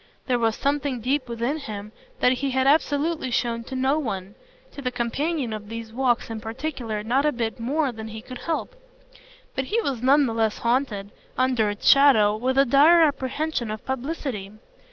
There was something deep within him that he had absolutely shown to no one to the companion of these walks in particular not a bit more than he could help; but he was none the less haunted, under its shadow, with a dire apprehension of publicity.